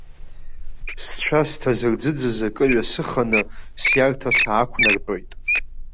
Сцәа сҭазырӡыӡаз акы ҩасыханы сиарҭа саақәнартәоит.